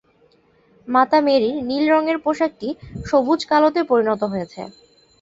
মাতা মেরির নীল রঙের পোশাকটি সবুজ-কালোতে পরিণত হয়েছে।